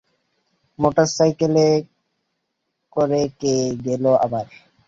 মোটরসাইকেলে করে কে গেল আবার?